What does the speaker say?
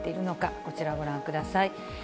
こちらご覧ください。